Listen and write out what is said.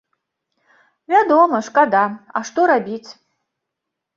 Вядома, шкада, а што рабіць?